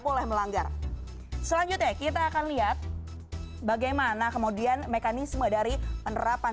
boleh melanggar selanjutnya kita akan lihat bagaimana kemudian mekanisme dari penerapan